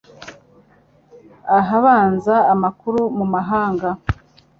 Ahabanza Amakuru Mu mahanga